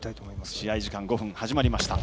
試合時間５分始まりました。